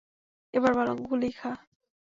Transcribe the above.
এবার বরং গুলিই খা!